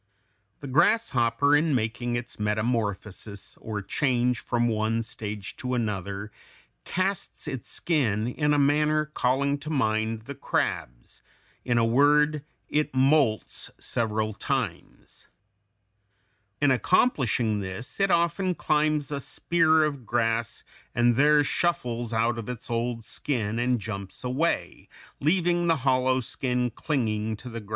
The grasshopper in making its metamorphosis, or change from one stage to another, casts its skin in a manner calling to mind the crabs; in a word, it molts several times (Fig. 197). In accomplishing this, it often climbs a spear of grass and there shuffles out of its old skin and jumps away, leaving the hollow skin clinging to the grass. [Illustration: FIG.